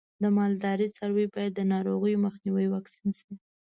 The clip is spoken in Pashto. د مالدارۍ څاروی باید د ناروغیو مخنیوي واکسین شي.